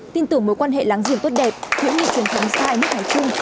tin tưởng mối quan hệ láng giềng tốt đẹp hữu nghiệp trường thống sai nước hải trung